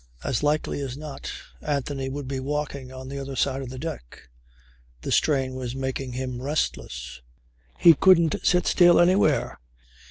As likely as not Anthony would be walking on the other side of the deck. The strain was making him restless. He couldn't sit still anywhere.